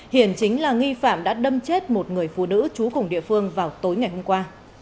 hiện chính là nghi phạm đã đâm chết một người phụ nữ trú cùng địa phương vào tối ngày hôm qua